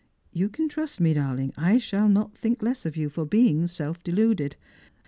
You can trust me, darling ; I shall not think less of you for being self deluded.